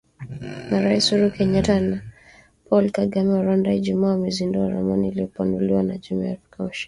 Marais Uhuru Kenyata wa Kenya na Paul Kagame wa Rwanda, Ijumaa wamezindua ramani iliyopanuliwa ya Jumuiya ya Afrika Mashariki.